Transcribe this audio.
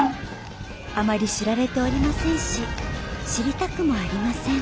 あまり知られておりませんし知りたくもありません